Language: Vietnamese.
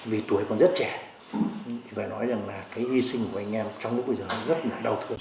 vì tuổi còn rất trẻ phải nói rằng là cái hy sinh của anh em trong lúc bây giờ rất là đau thương